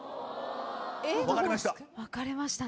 分かれました。